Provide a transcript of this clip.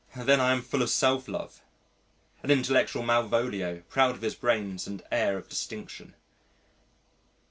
Then I am full of self love: an intellectual Malvolio proud of his brains and air of distinction....